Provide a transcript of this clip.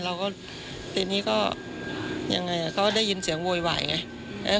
เราก็ทีนี้ก็ยังไงเขาได้ยินเสียงโวยวายไง